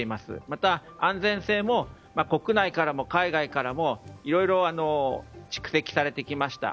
また、安全性も国内からも海外からもいろいろ蓄積されてきました。